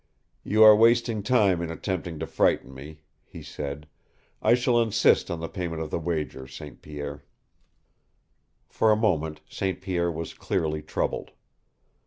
"You are wasting time in attempting to frighten me," he said. "I shall insist on the payment of the wager, St Pierre." For a moment St. Pierre was clearly troubled.